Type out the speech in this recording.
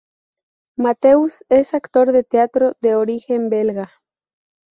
Matheus es un actor de teatro de origen belga.